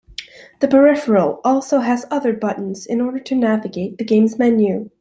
The peripheral also has other buttons in order to navigate the game's menus.